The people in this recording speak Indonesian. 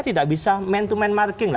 tidak bisa man to man marking lah